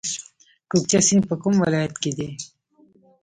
کوکچه سیند په کوم ولایت کې دی؟